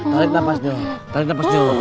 tarik nafas dulu tarik nafas dulu